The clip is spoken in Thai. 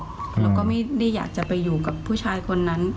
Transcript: เราก็ไม่ได้อยากจะไปอยู่กับผู้ชายคนนั้น